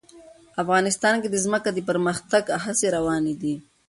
افغانستان کې د ځمکه د پرمختګ هڅې روانې دي.